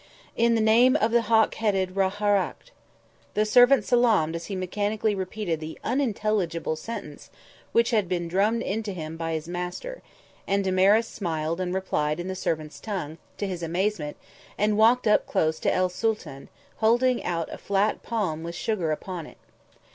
"In the name of the hawk headed Ra Harakht." The servant salaamed as he mechanically repeated the unintelligible sentence which had been drummed into him by his master; and Damaris smiled and replied in the servant's tongue, to his amazement, and walked up close to el Sooltan, holding out a flat palm with sugar upon it.